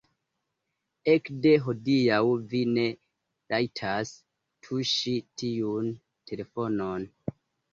Ekde hodiaŭ vi ne rajtas tuŝi tiun telefonon.